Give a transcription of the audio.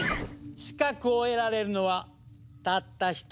資格を得られるのはたった１人よ。